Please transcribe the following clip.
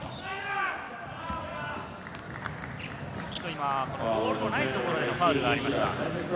今ボールのないところでファウルがありました。